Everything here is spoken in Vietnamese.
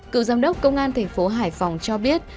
cựu giám đốc công an thành phố hải phòng cho biết